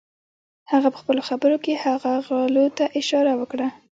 هغه پهخپلو خبرو کې هغو غلو ته اشاره وکړه.